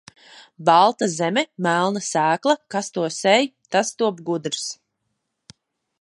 Balta zeme, melna sēkla, kas to sēj, tas top gudrs.